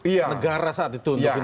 negara saat itu